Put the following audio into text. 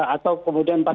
atau kemudian empat ratus an